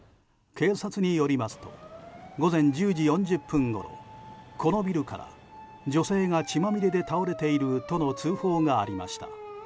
警察によりますと午前１０時４０分ごろこのビルから女性が血まみれで倒れているとの通報がありました。